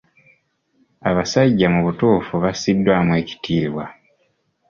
Abasajja mu butuufu bassibwamu ekitiibwa.